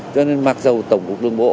cho nên mặc dù tổng cục đường bộ